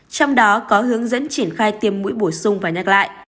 trong đó có hướng dẫn triển khai tiêm mũi bổ sung và nhắc lại